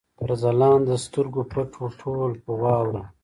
تر ځلانده سترګو پټ وو، ټول په واوره